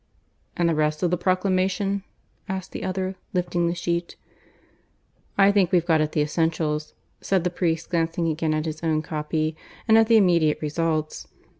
"And the rest of the Proclamation?" asked the other, lifting the sheet. "I think we've got at the essentials," said the priest, glancing again at his own copy, "and at the immediate results.